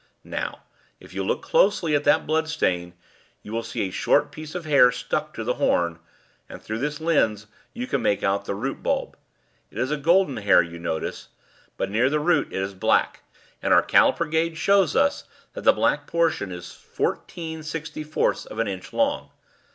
"Now, if you look closely at that blood stain, you will see a short piece of hair stuck to the horn, and through this lens you can make out the root bulb. It is a golden hair, you notice, but near the root it is black, and our calliper gauge shows us that the black portion is fourteen sixty fourths of an inch long.